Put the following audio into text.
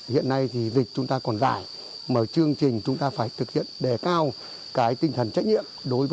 hiện nay thì dịch chúng ta còn dài mở chương trình chúng ta phải thực hiện đề cao cái tinh thần trách nhiệm